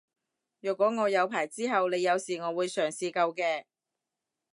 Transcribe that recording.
若果我有牌之後你有事我會嘗試救嘅